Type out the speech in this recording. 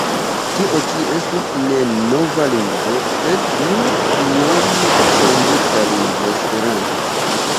Tio ĉi estus ne nova lingvo, sed nur iom ŝanĝita lingvo Esperanto!